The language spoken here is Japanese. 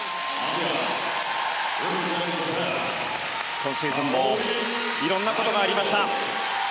今シーズンもいろんなことがありました。